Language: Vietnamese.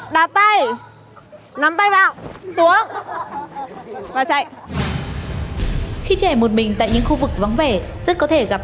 đặt tay nắm tay vào xuống và chạy khi trẻ một mình tại những khu vực vắng vẻ rất có thể gặp